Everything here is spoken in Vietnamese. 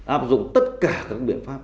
áp dụng tất cả các biện pháp